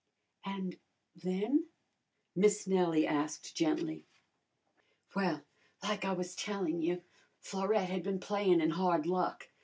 "And then?" Miss Nellie asked gently. "Well, like I was tellin' you, Florette had been playin' in hard luck.